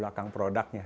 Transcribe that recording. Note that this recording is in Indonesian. jangan di belakang